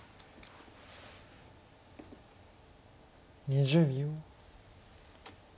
２０秒。